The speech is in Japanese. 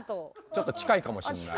ちょっと近いかもしれない。